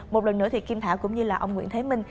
một lần nữa thì kim thảo cũng như là ông nguyễn thế minh